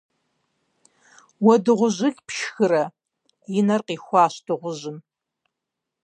- Уэ дыгъужьыл пшхырэ? - и нэр къихуащ дыгъужьым.